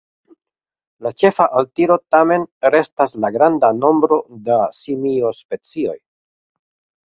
La ĉefa altiro tamen restas la granda nombro da simiospecioj.